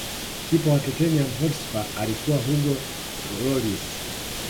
kipa wa tottenham hotspur alikuwa hugo loris